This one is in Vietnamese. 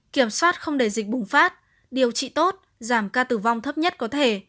kiểm soát không để dịch bùng phát điều trị tốt giảm ca tử vong thấp nhất có thể